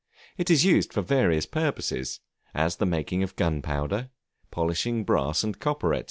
It is used for various purposes, as the making of gunpowder, polishing brass and copper, &c.